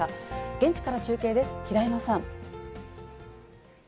現地から中継です、平山さん。